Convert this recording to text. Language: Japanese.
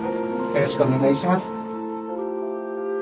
よろしくお願いします。